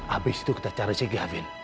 abis itu kita cari si gavin